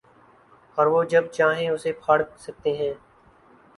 اوروہ جب چاہیں اسے پھاڑ سکتے ہیں۔